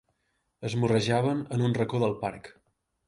Es morrejaven en un racó del parc.